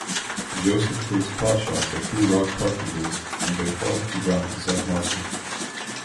Joseph takes potshots at two rock partridges and they fall to ground beside Marcel.